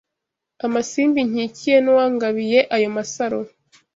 Amasimbi nkikiye N'uwangabiye ayo masaro